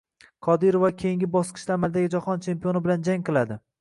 Qodirova keyingi bosqichda amaldagi jahon chempioni bilan jang qiladi